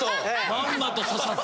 まんまと刺さった。